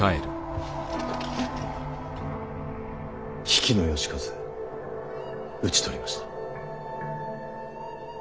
比企能員討ち取りました。